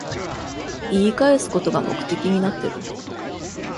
言い返すことが目的になってる